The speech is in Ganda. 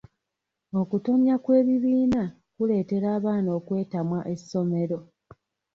Okutonnya kw'ebibiina kuleetera abaana okwetamwa essomero.